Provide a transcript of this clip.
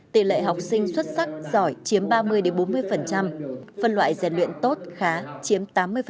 tỷ lệ học sinh xuất sắc giỏi chiếm ba mươi bốn mươi phân loại giàn luyện tốt khá chiếm tám mươi